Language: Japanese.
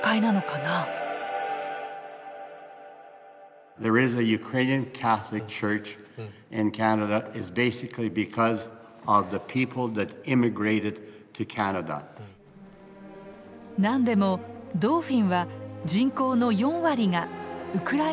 なんでもドーフィンは人口の４割がウクライナ系の移民らしい。